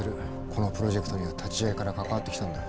このプロジェクトには立ち上げから関わってきたんだ。